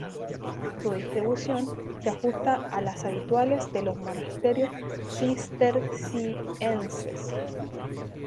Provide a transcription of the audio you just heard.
Su distribución se ajusta a las habituales de los monasterios cistercienses.